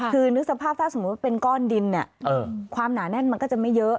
คือนึกสภาพถ้าสมมุติเป็นก้อนดินเนี่ยความหนาแน่นมันก็จะไม่เยอะ